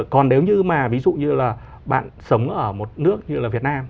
còn nếu như mà ví dụ như là bạn sống ở một nước như là việt nam